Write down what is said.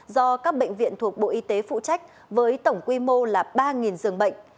do các bệnh viện thuộc bộ y tế phụ trách với tổng quy mô là ba giường bệnh